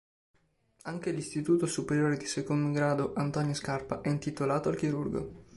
Anche l'istituto superiore di secondo grado Antonio Scarpa è intitolato al chirurgo.